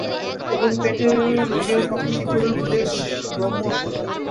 এবং পেটের রোগের পক্ষে শীতপ্রধান দেশ ব্রহ্মৌষধ।